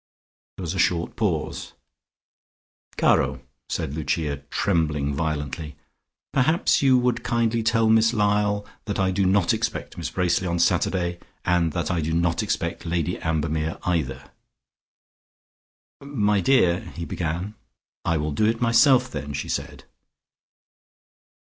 There was a short pause. "Caro," said Lucia, trembling violently, "perhaps you would kindly tell Miss Lyall that I do not expect Miss Bracely on Saturday, and that I do not expect Lady Ambermere either." "My dear " he began. "I will do it myself then," she said.